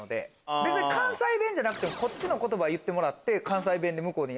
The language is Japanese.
別に関西弁じゃなくてもこっちの言葉言ってもらって関西弁で向こうに。